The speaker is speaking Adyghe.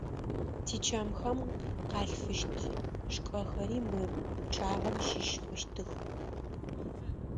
Тичэмхэм къалъфыщт шкӏэхэри мы пчъагъэм щыщ хъущтых.